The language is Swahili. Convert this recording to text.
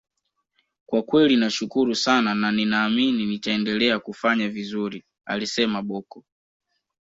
kwa kweli nashukuru sana na ninaamini nitaendelea kufanya vizuri alisema Bocco